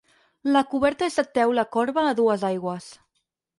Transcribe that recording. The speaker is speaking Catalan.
La coberta és de teula corba a dues aigües.